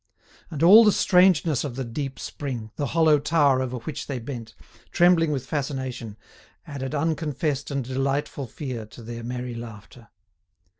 And all the strangeness of the deep spring, the hollow tower over which they bent, trembling with fascination, added unconfessed and delightful fear to their merry laughter.